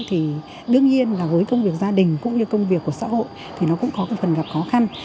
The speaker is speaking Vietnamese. thì đương nhiên là với công việc gia đình cũng như công việc của xã hội thì nó cũng có cái phần gặp khó khăn